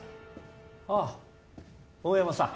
あぁ大山さん。